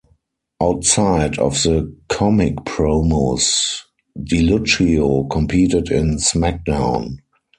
Outside of the comic promos, DiLucchio competed in SmackDown!